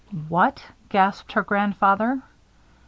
"What!" gasped her grandfather.